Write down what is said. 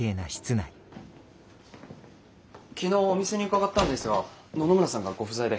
昨日お店に伺ったのですが野々村さんがご不在で。